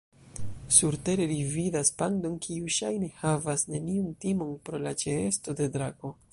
Surtere, ri vidas pandon, kiu ŝajne havas neniun timon pro la ĉeesto de drako.